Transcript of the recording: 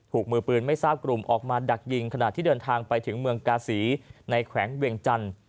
มือปืนไม่ทราบกลุ่มออกมาดักยิงขณะที่เดินทางไปถึงเมืองกาศีในแขวงเวียงจันทร์